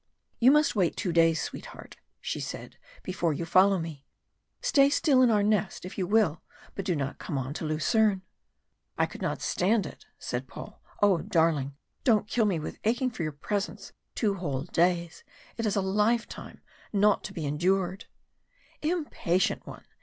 "You must wait two days, sweetheart," she said, "before you follow me. Stay still in our nest if you will, but do not come on to Lucerne." "I could not stand it," said Paul. "Oh! darling, don't kill me with aching for your presence two whole days! It is a lifetime! not to be endured " "Impatient one!"